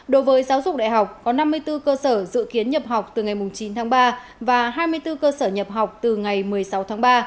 đối với giáo dục đại học có năm mươi bốn cơ sở dự kiến nhập học từ ngày chín tháng ba và hai mươi bốn cơ sở nhập học từ ngày một mươi sáu tháng ba